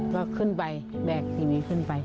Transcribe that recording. ก็ขึ้นไปแบกทีวีขึ้นไป